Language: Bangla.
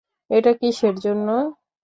এটা কিসের জন্য?